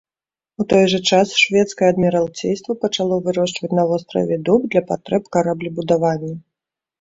У той жа час шведскае адміралцейства пачало вырошчваць на востраве дуб для патрэб караблебудавання.